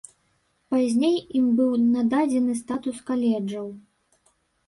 Пазней ім быў нададзены статус каледжаў.